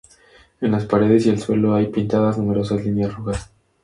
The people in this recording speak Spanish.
En las paredes y el suelo hay pintadas numerosas líneas rojas.